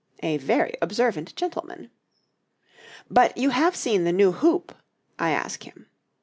A very observant gentleman! 'But you have seen the new hoop?' I ask him.